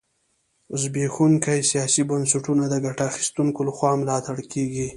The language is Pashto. زبېښونکي سیاسي بنسټونه د ګټه اخیستونکو لخوا ملاتړ کېږي.